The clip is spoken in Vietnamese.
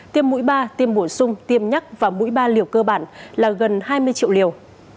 tiêm mũi ba tiêm bổ sung tiêm nhắc và mũi ba liều cơ bản là gần hai mươi triệu liều